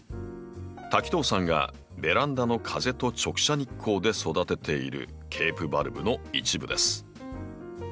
滝藤さんがベランダの風と直射日光で育てているケープバルブの一部です。